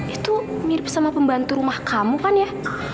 itu mirip sama pembantu rumah kamu kan ya